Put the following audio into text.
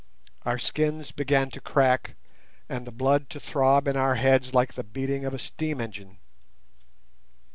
Our skins began to crack, and the blood to throb in our heads like the beating of a steam engine.